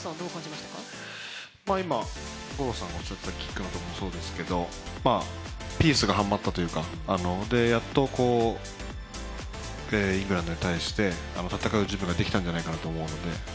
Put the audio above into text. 今、五郎さんがおっしゃっていたキックのところもそうですけどピースがはまったというかやっと、イングランドに対して戦う準備ができたんじゃないかなと思うので。